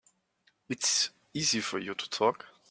It's easy for you to talk.